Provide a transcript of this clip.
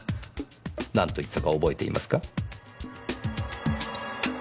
何と言ったか覚えていますか？